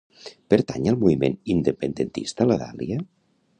Pertany al moviment independentista la Dalia?